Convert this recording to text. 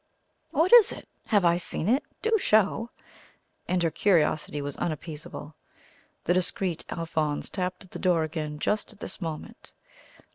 "What is it? Have I seen it? Do show!" and her curiosity was unappeasable. The discreet Alphonse tapped at the door again just at this moment.